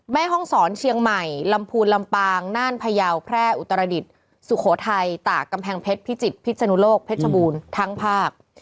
แม่ห้องศรเชียงใหม่ลำพูนลำปางน่านพยาวแพร่อุตรดิษฐ์สุโขทัยตากกำแพงเพชรพิจิตรพิษนุโลกเพชรบูรณ์ทั้งภาค